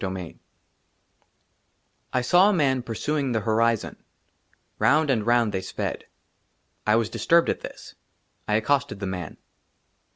24 XXIV I SAW A MAN PURSUING THE HORIZON ; ROUND AND ROUND THEY SPED. I WAS DISTURBED AT THIS ; I ACCOSTED THE MAN.